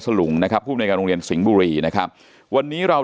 ลุงนะครับผู้บริการโรงเรียนสิงห์บุรีนะครับวันนี้เรา